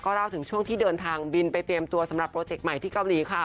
เล่าถึงช่วงที่เดินทางบินไปเตรียมตัวสำหรับโปรเจกต์ใหม่ที่เกาหลีค่ะ